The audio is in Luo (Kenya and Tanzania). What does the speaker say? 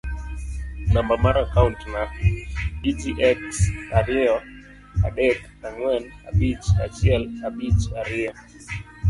namba mar akaont na: egx ariyo adek ang'wen abich achiel abich ariyo